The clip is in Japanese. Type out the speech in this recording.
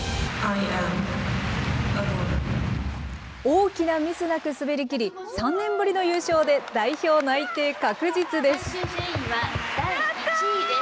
大きなミスなく滑りきり、３年ぶりの優勝で、代表内定確実です。